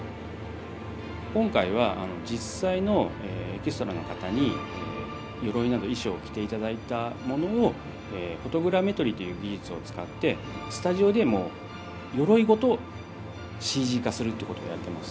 今回は実際のエキストラの方によろいなど衣装を着ていただいたものをフォトグラメトリという技術を使ってスタジオでもよろいごとＣＧ化するということをやっています。